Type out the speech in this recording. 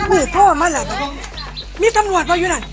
นุ้นแล้วเนี้ยกันอุ๊ยโทรมาแล้วมีทำวนเพราะอยู่ไหน